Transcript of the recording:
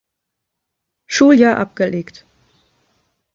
Schuljahr abgelegt.